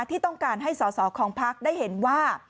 ที่ต้องการให้สอสอของพักได้เห็นว่า